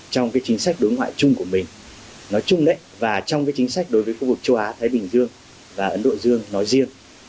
trong chính sách đối ngoại chung của mình nói chung và trong chính sách đối với khu vực châu á thái bình dương và ấn độ dương nói riêng